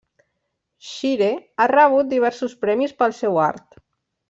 Shire ha rebut diversos premis pel seu art.